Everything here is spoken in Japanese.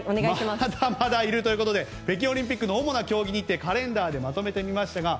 まだまだいるということで北京オリンピックの主な競技日程をカレンダーでまとめてみました。